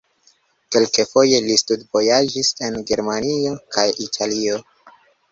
Kelkfoje li studvojaĝis en Germanio kaj Italio.